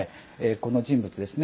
この人物ですね。